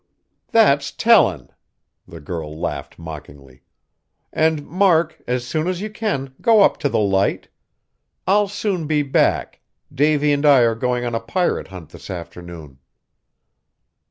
"That's telling!" The girl laughed mockingly. "And, Mark, as soon as you can, go up to the Light. I'll soon be back, Davy and I are going on a pirate hunt this afternoon."